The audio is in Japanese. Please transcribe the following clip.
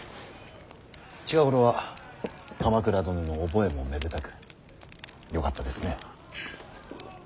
近頃は鎌倉殿の覚えもめでたくよかったですね。